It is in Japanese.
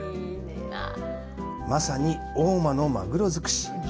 まさに、大間のマグロづくし。